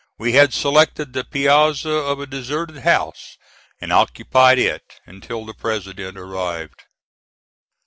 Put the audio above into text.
We had selected the piazza of a deserted house, and occupied it until the President arrived.